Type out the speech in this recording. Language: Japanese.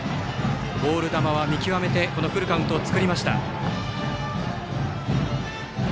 ボール球は見極めてこのフルカウントを作りました。